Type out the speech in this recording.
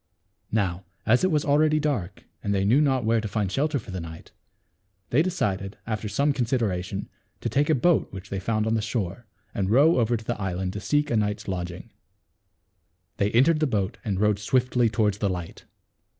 Now as it was already dark and they knew not where to find shelter for the night, they decided after some consideration to take a boat 239 240 THE WITCH'S TREASURES. which they found on the shore, and row over to the island to seek a night's lodging. They entered the boat and rowed swiftly toward the light.